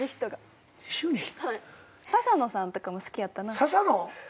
笹野さんとかも好きやったな。